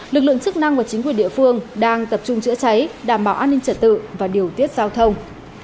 lực lượng chức năng và chính quyền địa phương